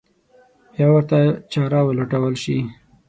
بیا ورته چاره ولټول شي.